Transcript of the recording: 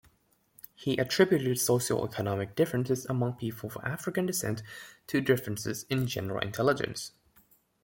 He attributed socio-economic differences among people of African descent to differences in general intelligence.